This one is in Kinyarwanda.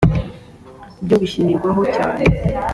byo bishingirwaho cyane